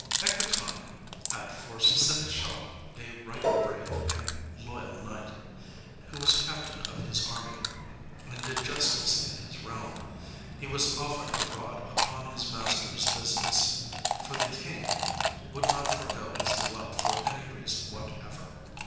Equitan had for seneschal a right brave and loyal knight, who was captain of his army, and did justice in his realm. He was often abroad upon his master's business, for the King would not forego his delight for any reason whatever.